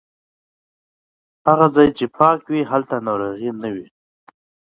هغه ځای چې پاک وي هلته ناروغي نه وي.